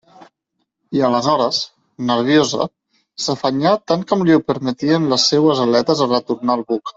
I aleshores, nerviosa, s'afanyà tant com li ho permetien les seues aletes a retornar al buc.